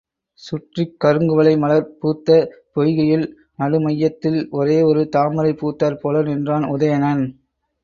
சுற்றிக் கருங்குவளை மலர் பூத்த பொய்கையுள் நடு மையத்தில் ஒரே ஒரு தாமரை பூத்தாற் போல நின்றான் உதயணன்.